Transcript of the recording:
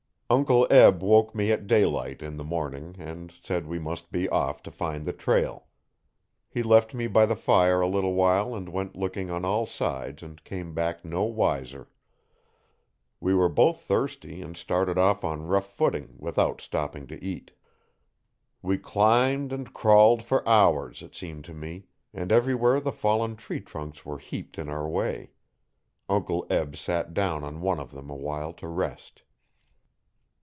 Uncle Eb woke me at daylight, in the morning, and said we must be off to find the trail. He left me by the fire a little while and went looking on all sides and came back no wiser. We were both thirsty and started off on rough footing, without stopping to eat. We climbed and crawled for hours, it seemed to me, and everywhere the fallen tree trunks were heaped in our way. Uncle Eb sat down on one of them awhile to rest.